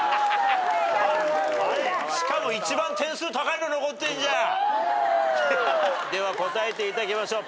しかも一番点数高いの残ってんじゃん。では答えていただきましょう。